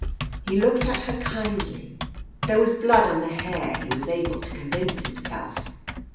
He looked at her kindly. There was blood on the hair, he was able to convince himself.